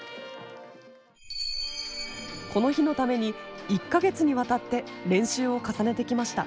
この日のために１か月にわたって練習を重ねてきました。